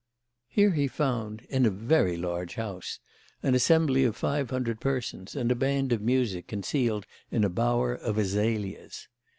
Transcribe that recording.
Here he found—in a very large house—an assembly of five hundred persons and a band of music concealed in a bower of azaleas.